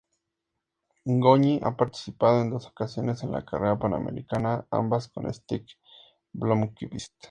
Goñi ha participado en dos ocasiones en La Carrera Panamericana, ambas con Stig Blomqvist.